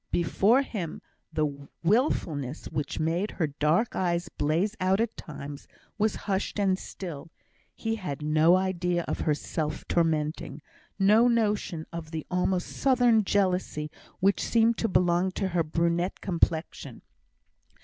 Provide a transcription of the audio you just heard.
Before him the wilfulness which made her dark eyes blaze out at times was hushed and still; he had no idea of her self tormenting, no notion of the almost southern jealousy which seemed to belong to her brunette complexion.